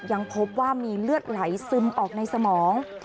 ยังพบว่ามีเลือดไหลซึมออกในสมอง